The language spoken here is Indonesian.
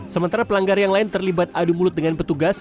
sementara pelanggar yang lain terlibat adu mulut dengan petugas